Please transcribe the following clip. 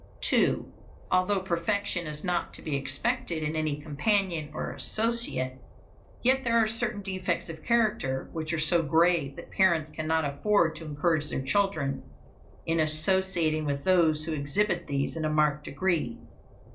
2. Although perfection is not to be expected in any companion or associate, yet there are certain defects of character which are so grave that parents cannot afford to encourage their children in associating with those who exhibit these in a marked degree.